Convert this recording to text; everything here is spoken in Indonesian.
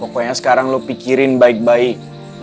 pokoknya sekarang lo pikirin baik baik